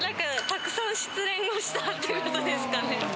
たくさん失恋をしたっていうことですかね。